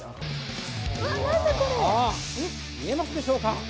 見えますでしょうか